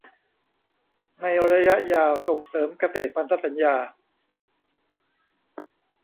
ในระยะยาวส่งเสริมเกษตรพันธสัญญา